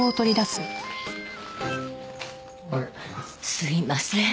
すいません。